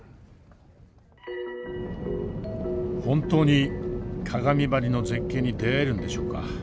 本当に鏡張りの絶景に出会えるんでしょうか？